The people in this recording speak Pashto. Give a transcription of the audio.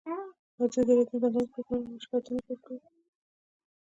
ازادي راډیو د د ځنګلونو پرېکول اړوند شکایتونه راپور کړي.